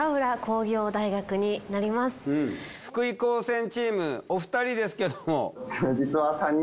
福井高専チームお二人ですけども。